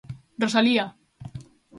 Rosalía!